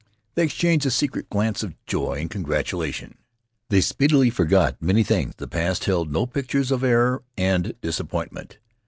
They exchanged a secret glance of joy and congratulation. They speedily forgot many things. The past held no pictures of error and disappointment.